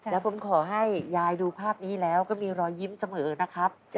แล้วผมขอให้ยายดูภาพนี้แล้วก็มีรอยยิ้มเสมอนะครับ